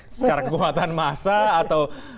secara kekuatan masa atau